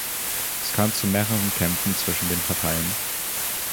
Es kam zu mehreren Kämpfen zwischen den Parteien.